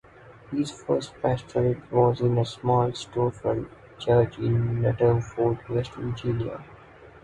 His first pastorate was in a small storefront church in Nutter Fort, West Virginia.